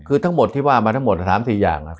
คือทั้งหมดที่ว่ามาทั้งหมด๓๔อย่างครับ